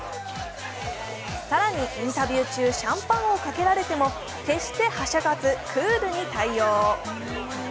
更に、インタビュー中、シャンパンをかけられても決して、はしゃがずクールに対応。